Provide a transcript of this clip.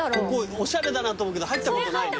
おしゃれだなと思うけど入ったことないね。